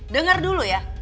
dengar dulu ya